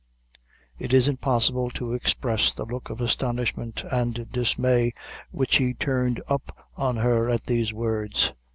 It is impossible to express the look of astonishment and dismay which he turned up on her at these words.